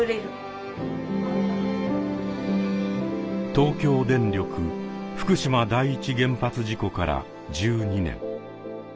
東京電力福島第一原発事故から１２年。